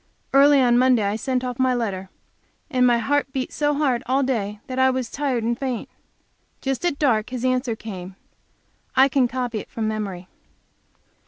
Early on Monday I sent off my letter; and my heart beat so hard all day that I was tired and faint. Just at dark his answer came; I can copy it from memory.